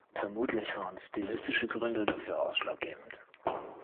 Vermutlich waren stilistische Gründe dafür ausschlaggebend.